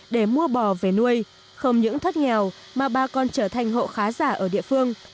để mua bò về nuôi không những thoát nghèo mà bà còn trở thành hộ khá giả ở địa phương